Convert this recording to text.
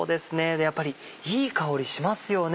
でやっぱりいい香りしますよね。